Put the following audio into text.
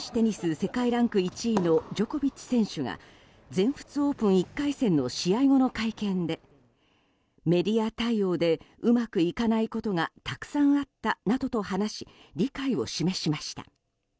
世界ランク１位のジョコビッチ選手が全仏オープン１回戦の試合後の会見でメディア対応でうまくいかないことがたくさんあったなどと話し理解を示しました。